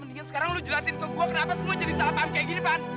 lu mendingan sekarang lu jelasin ke gua kenapa semua jadi salah paham kayak gini pan